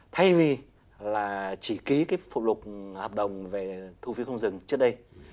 thay vì chỉ ký phụ lục hợp đồng về thu phí không dừng trước đây